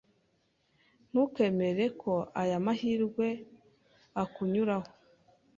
Ntukemere ko aya mahirwe akunyuraho.